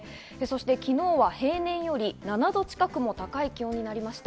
昨日は平年より７度近くも高い気温になりました。